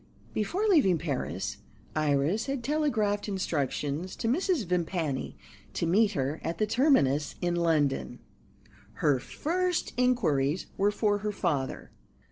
Before leaving Paris, Iris had telegraphed instructions to Mrs. Vimpany to meet her at the terminus in London. Her first inquiries were for her father.